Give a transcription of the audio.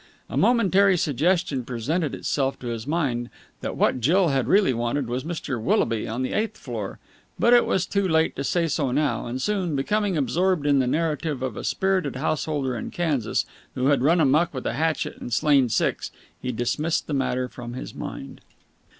A momentary suggestion presented itself to his mind that what Jill had really wanted was Mr. Willoughby on the eighth floor, but it was too late to say so now; and soon, becoming absorbed in the narrative of a spirited householder in Kansas who had run amuck with a hatchet and slain six, he dismissed the matter from his mind.